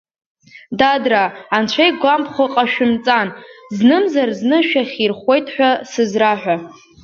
Дадраа, Анцәа игәамԥхо ҟашәымҵан, знымзар-зны шәахьирхәуеит ҳәа сызраҳәа.